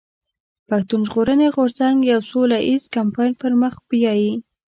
پښتون ژغورني غورځنګ يو سوله ايز کمپاين پر مخ بيايي.